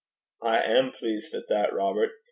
'I am pleased at that, Robert.